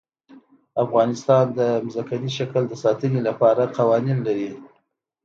افغانستان د ځمکنی شکل د ساتنې لپاره قوانین لري.